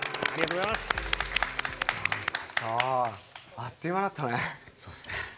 あっという間だったね。